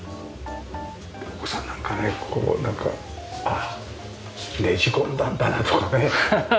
お子さんなんかねこうなんか「ああねじ込んだんだな」とかね。ハハハハハ！